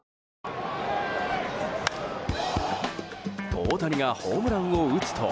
大谷がホームランを打つと。